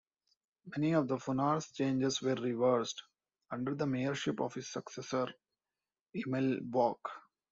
Many of Funar's changes were reversed under the mayorship of his successor, Emil Boc.